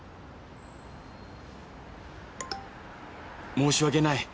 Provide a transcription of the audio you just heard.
「申し訳ない。